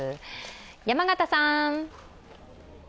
山形さん！